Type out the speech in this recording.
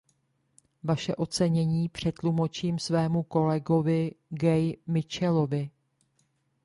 Vaše ocenění přetlumočím svému kolegovi, Gay Mitchellovi.